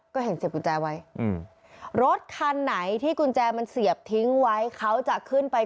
ก็เห็นเสียบกุญแจไว้รถคันไหนที่กุญแจมันเสียบทิ้งไว้เขาจะขึ้นไป